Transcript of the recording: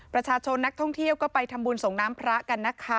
ประชาชนนักท่องเที่ยวก็ไปทำบุญส่งน้ำพระกันนะคะ